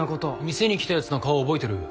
店に来たやつの顔は覚えてる。